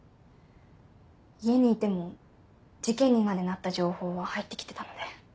家にいても事件にまでなった情報は入ってきてたので。